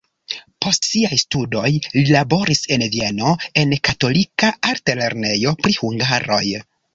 Post siaj studoj li laboris en Vieno en katolika altlernejo pri hungaroj.